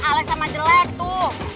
alex sama jelek tuh